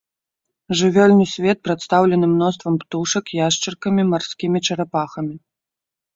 Жывёльны свет прадстаўлены мноствам птушак, яшчаркамі, марскімі чарапахамі.